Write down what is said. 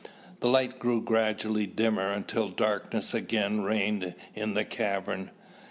The light grew gradually dimmer until darkness again reigned in the cavern.